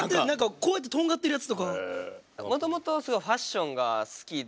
こうやってとんがってるやつとか。